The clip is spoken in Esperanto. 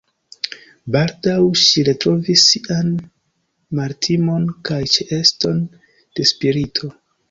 Baldaŭ ŝi retrovis sian maltimon kaj ĉeeston de spirito.